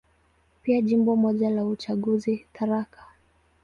Pia Jimbo moja la uchaguzi, Tharaka.